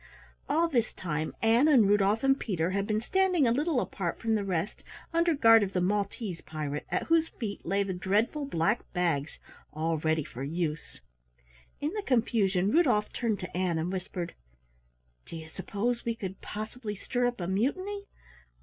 All this time Ann and Rudolf and Peter had been standing a little apart from the rest under guard of the Maltese pirate at whose feet lay the dreadful black bags all ready for use. In the confusion Rudolf turned to Ann and whispered, "Do you suppose we could possibly stir up a mutiny?